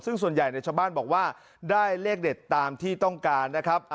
ซึ่งส่วนใหญ่ชาวบ้านบอกว่าได้เลขเด็ดตามที่ต้องการนะครับ